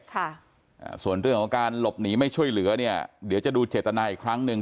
ค่ะอ่าส่วนเรื่องของการหลบหนีไม่ช่วยเหลือเนี่ยเดี๋ยวจะดูเจตนาอีกครั้งหนึ่ง